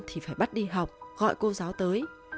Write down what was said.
thì phải bắt đi học gọi cô giáo tới